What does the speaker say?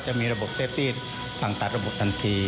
จะมีระบบเซฟตี้สั่งตัดระบบทันที